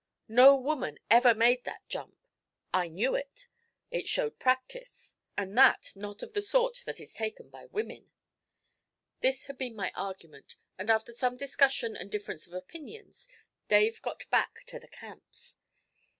'No woman ever made that jump; I knew it. It showed practice, and that not of the sort that is taken by women.' This had been my argument, and after some discussion and difference of opinions Dave got back to the Camps.